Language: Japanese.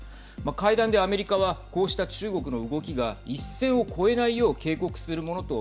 会談で、アメリカはこうした中国の動きが一線を越えないよう警告するものと